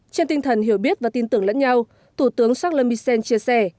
trên tinh thần hiểu biết và tin tưởng lẫn nhau thủ tướng charles misen chia sẻ